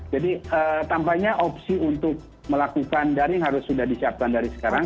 jadi tampaknya opsi untuk melakukan daring harus sudah disiapkan dari sekarang